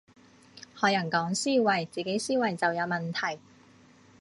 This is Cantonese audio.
學人講思維，自己思維就有問題